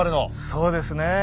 そうですね。